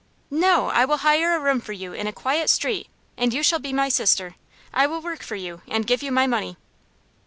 "No; I will hire a room for you in a quiet street, and you shall be my sister. I will work for you, and give you my money."